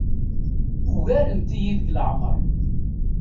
Ugarent-iyi deg leɛmeṛ.